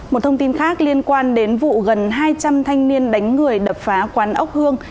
một thông tin khác liên quan đến vụ gần hai trăm linh thanh niên đánh người đập phá quán ốc hương